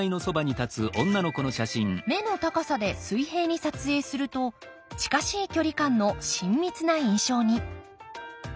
目の高さで水平に撮影すると近しい距離感の親密な印象に。